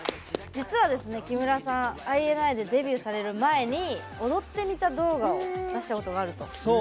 実は、木村さんＩＮＩでデビューされる前に踊ってみた動画を出したことがあると。